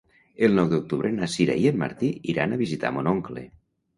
El nou d'octubre na Sira i en Martí iran a visitar mon oncle.